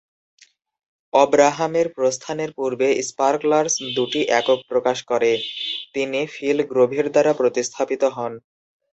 অব্রাহামের প্রস্থানের পূর্বে স্পার্কলারস দুটি একক প্রকাশ করে, তিনি ফিল গ্রোভের দ্বারা প্রতিস্থাপিত হন।